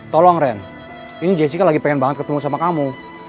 tolong ren ini jessica lagi pengen banget ketemu sama kamu